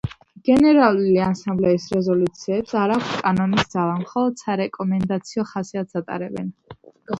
გენერალური ასამბლეის რეზოლუციებს არა აქვთ კანონის ძალა, მხოლოდ სარეკომენდაციო ხასიათს ატარებენ.